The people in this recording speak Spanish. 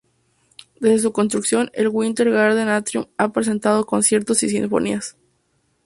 Desde su construcción, el Winter Garden Atrium ha presentado conciertos y sinfonías.